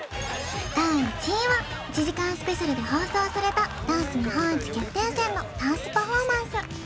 第１位は１時間スペシャルで放送されたダンス日本一決定戦のダンスパフォーマンス